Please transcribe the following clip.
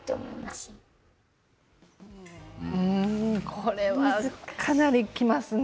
これは、かなりきますね。